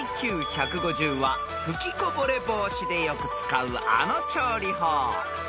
［ＩＱ１５０は噴きこぼれ防止でよく使うあの調理法］